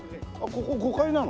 ここ５階なの？